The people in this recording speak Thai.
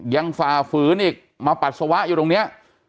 ฝ่าฝืนอีกมาปัสสาวะอยู่ตรงนี้